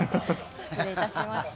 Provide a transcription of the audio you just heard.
失礼いたしました。